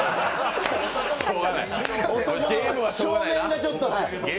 少年がちょっと。